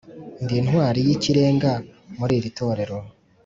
Ndi intwari y'ikirenga muri iri torero